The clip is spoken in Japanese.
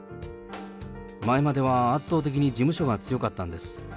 前までは圧倒的に事務所が強かったんです。